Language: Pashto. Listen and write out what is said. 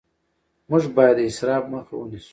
موږ باید د اسراف مخه ونیسو